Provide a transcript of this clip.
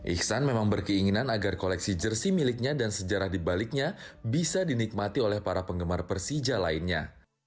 iksan memang berkeinginan agar koleksi jersi miliknya dan sejarah di baliknya bisa dinikmati oleh para penggemar persija lainnya